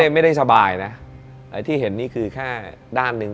ไม่ได้สบายนะไอ้ที่เห็นนี่คือแค่ด้านหนึ่ง